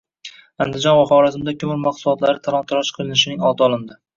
Andijon va Xorazmda ko‘mir mahsulotlari talon-toroj qilinishining oldi olindi